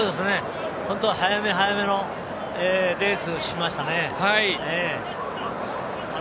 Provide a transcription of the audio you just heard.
早め早めのレースをしましたね。